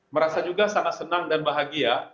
merasa juga sangat senang dan bahagia